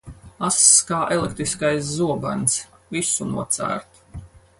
Ass kā elektriskais zobens, visu nocērt.